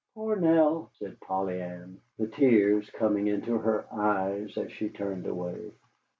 "Poor Nell," said Polly Ann, the tears coming into her eyes as she turned away.